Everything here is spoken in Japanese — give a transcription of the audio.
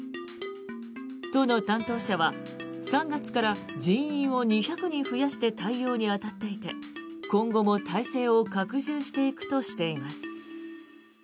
都の担当者は３月から人員を２００人増やして対応に当たっていて今後も体制を拡充していくとしています。